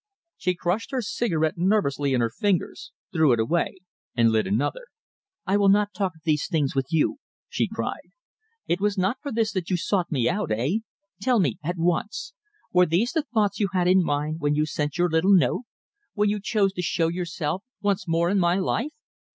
She crushed her cigarette nervously in her fingers, threw it away, and lit another. "I will not talk of these things with you," she cried. "It was not for this that you sought me out, eh? Tell me at once? Were these the thoughts you had in your mind when you sent your little note? when you chose to show yourself once more in my life?"